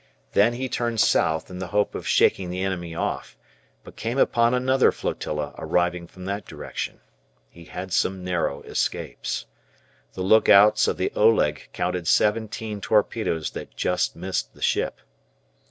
Then he turned south, in the hope of shaking the enemy off, but came upon another flotilla arriving from that direction. He had some narrow escapes. The look outs of the "Oleg" counted seventeen torpedoes that just missed the ship.